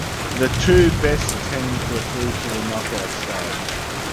The two best teams were through to knockout stage.